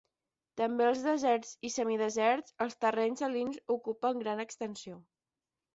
També als deserts i semideserts els terrenys salins ocupen gran extensió.